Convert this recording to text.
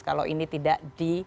kalau ini tidak di